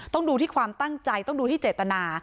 ต้องดูที่ความตั้งใจต้องดูที่เจตนา